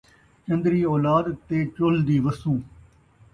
چن٘دری اولاد تے چُلھ دی وسّوں